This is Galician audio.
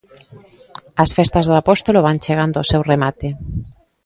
As Festas do Apóstolo van chegando ao seu remate.